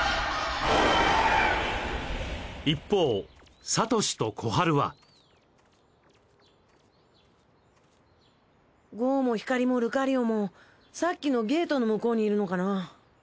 一方サトシとコハルはゴウもヒカリもルカリオもさっきのゲートの向こうにいるのかな。